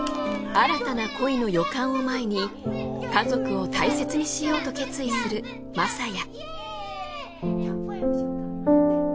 新たな恋の予感を前に家族を大切にしようと決意する雅也。